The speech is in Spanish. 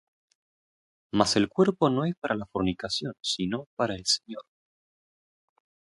Mas el cuerpo no es para la fornicación, sino para el Señor;